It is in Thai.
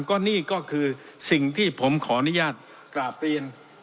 ก็นี่ก็คือสิ่งที่ผมขออนุญาตกราบเรียน